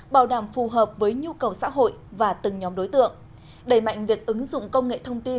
bảo đảm phù hợp với nhu cầu xã hội và từng nhóm đối tượng